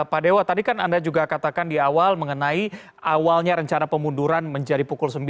pak dewa tadi kan anda juga katakan di awal mengenai awalnya rencana pemunduran menjadi pukul sembilan